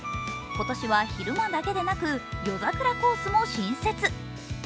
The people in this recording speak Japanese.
今年は昼間だけでなく夜桜コースも新設。